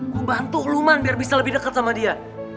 gue bantu lo man biar bisa lebih deket sama dia